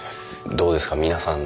どうですか皆さん